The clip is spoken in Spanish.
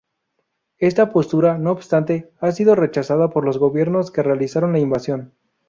Esta postura, no obstante, ha sido rechazada por los gobiernos que realizaron la invasión.